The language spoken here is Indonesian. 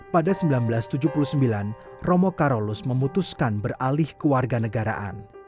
pada seribu sembilan ratus tujuh puluh sembilan romo karolus memutuskan beralih ke warga negaraan